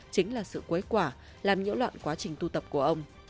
chính là sự quấy quả làm nhiễu loạn quá trình tu tập của ông